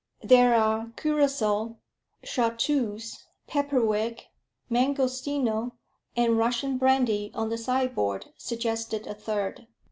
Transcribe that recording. "There are curaçoa, chartreuse, pepperwick, mangostino, and Russian brandy on the side board," suggested a third.